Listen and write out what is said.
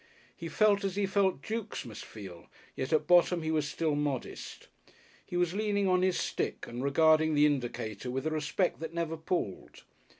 He felt as he felt Dukes must feel, yet at bottom he was still modest. He was leaning on his stick and regarding the indicator with a respect that never palled.